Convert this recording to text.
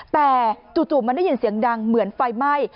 แต่จู่มันได้ยินเสียงดังเหมือนไฟไหม้